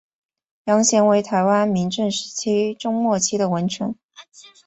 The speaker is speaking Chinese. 杨贤为台湾明郑时期中末期的文臣。